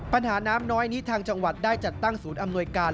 ปัญหาน้ำน้อยนี้ทางจังหวัดได้จัดตั้งศูนย์อำนวยการ